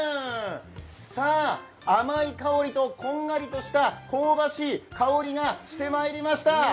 さあ、甘い香りとこんがりとした香ばしい香りがしてまいりました。